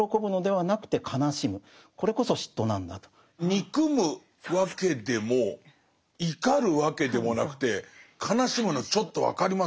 憎むわけでも怒るわけでもなくて悲しむのちょっと分かります。